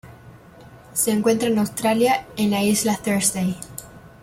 Se encuentra en Australia en la isla Thursday.